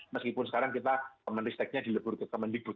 meskipun sekarang kita pemerintah steknya dilebur ke kementerian